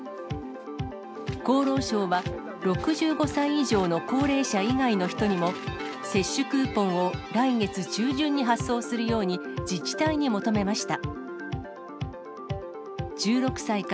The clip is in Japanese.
厚労省は６５歳以上の高齢者以外の人にも、接種クーポンを来月中旬に発送するように、自治体に求めました。